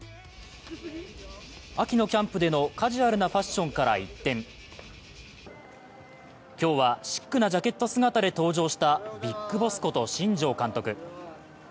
秋のキャンプでのカジュアルなファッションから一転、今日はシックなジャケット姿で登場したビッグボスこと新庄監督。